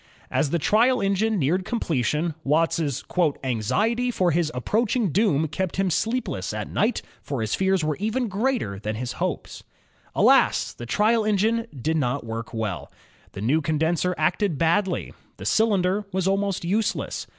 As the trial engine neared completion. Watt's "anxiety for his approaching doom kept him sleepless at night, for his fears were even greater than his hopes." Alas! thes trial engine did not work well. The new condenser acted badly. The cylinder was almost useless.